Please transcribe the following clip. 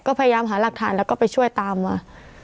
ก็พยายามหาหลักฐานแล้วก็ไปช่วยตามมา